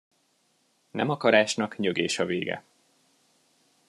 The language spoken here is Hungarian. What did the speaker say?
Nemakarásnak nyögés a vége.